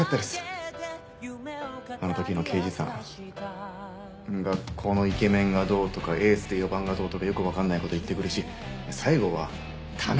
あの時の刑事さん学校のイケメンがどうとかエースで４番がどうとかよくわかんない事言ってくるし最後は「田中田中田中！」